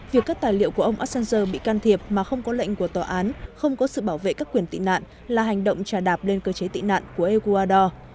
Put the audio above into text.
việc các tài liệu của ông assanger bị can thiệp mà không có lệnh của tòa án không có sự bảo vệ các quyền tị nạn là hành động trà đạp lên cơ chế tị nạn của ecuador